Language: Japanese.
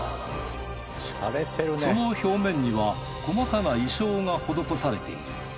その表面には細かな意匠が施されている。